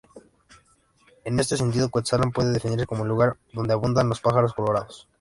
En este sentido, Cuetzalan puede definirse como el "lugar donde abundan los pájaros colorados".